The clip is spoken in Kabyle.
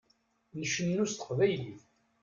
Ncennu s teqbaylit.